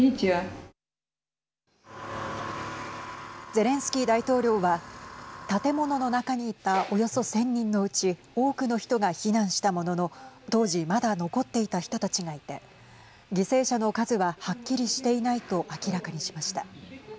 ゼレンスキー大統領は建物の中にいたおよそ１０００人のうち多くの人が避難したものの当時まだ残っていた人たちがいて犠牲者の数ははっきりしていないと明らかにしました。